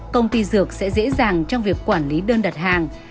công ty dược sẽ dễ dàng trong việc quản lý đơn đặt hàng